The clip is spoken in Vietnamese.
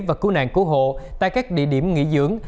và cứu nạn cứu hộ tại các địa điểm nghỉ dưỡng